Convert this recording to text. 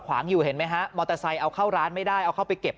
ขวางอยู่เห็นไหมฮะมอเตอร์ไซค์เอาเข้าร้านไม่ได้เอาเข้าไปเก็บ